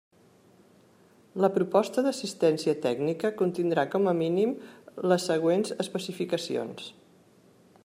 La proposta d'assistència tècnica contindrà com a mínim, les següents especificacions.